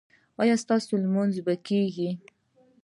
ایا ستاسو لمونځ به نه کیږي؟